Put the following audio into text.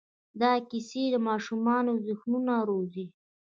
دا کیسې د ماشومانو ذهنونه روزي.